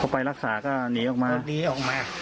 พอไปรักษาก็หนีออกมา